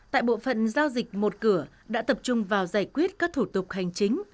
tại bộ phận giao dịch một cửa đã tập trung vào giải quyết các thủ tục hành chính